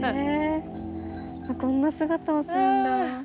こんな姿をするんだ。